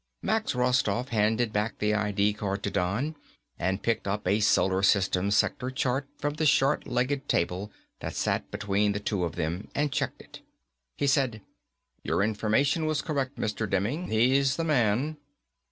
Max Rostoff handed back the I.D. card to Don and picked up a Solar System sector chart from the short legged table that sat between the two of them and checked it. He said, "Your information was correct, Mr. Demming. He's the man."